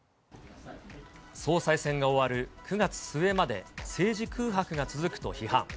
総裁選が終わる９月末まで、政治空白が続くと批判。